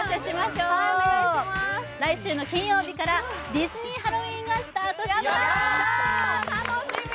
来週の金曜日からディズニー・ハロウィーンがスタートします。